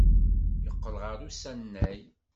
Yeqqel ɣer usanay.